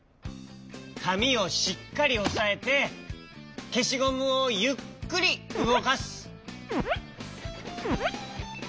かみをしっかりおさえてけしゴムをゆっくりうごかす。